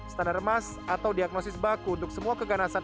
standar emas atau diagnosis baku untuk semua keganasan